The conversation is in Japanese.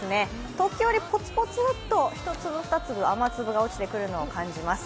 時折ぽつぽつと１粒２粒雨粒が落ちてくるのを感じます。